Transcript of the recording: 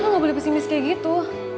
gak boleh pesimis kayak gitu